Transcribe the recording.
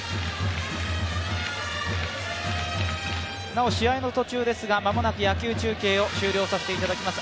なお、試合の途中ですが、間もなく野球中継を終了させていただきます。